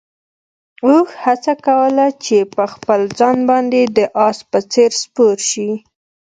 اوښ هڅه کوله چې په خپل ځان باندې د اس په څېر سپور شي.